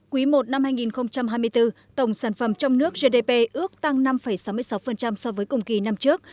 quý i năm hai nghìn hai mươi bốn tổng sản phẩm trong nước gdp ước tăng năm sáu mươi sáu so với cùng kỳ năm trước